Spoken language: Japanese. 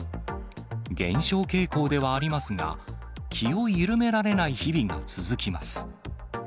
減少傾向ではありますが、気を緩められない日々が続きます。